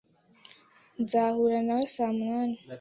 Nzahura nawe saa munani.